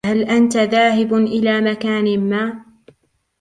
هل أنت ذاهب إلى مكان ما ؟